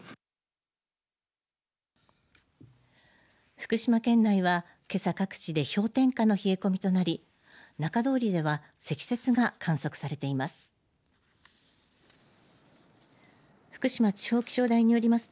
徳島県内は、けさ各地で氷点下の冷え込みとなり中通りでは積雪が観測されています。